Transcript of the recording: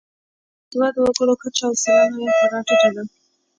باسواده وګړو کچه او سلنه یې خورا ټیټه ده.